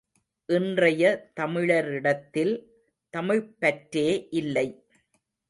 இன்றைய தமிழரிடத்தில் தமிழ்ப்பற்றே இல்லை!